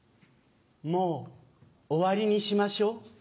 「もう終わりにしましょう」。